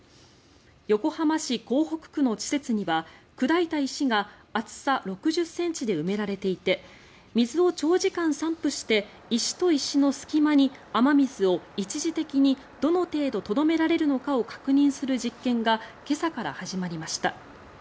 横浜市港北区の施設には砕いた石が厚さ６０ｃｍで埋められていて水を長時間散布して石と石の隙間に雨水を一時的にどの程度とどめられるのかを確認する実験が今朝から始まりました。